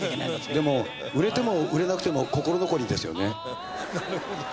でも売れても売れなくても心残りですよね。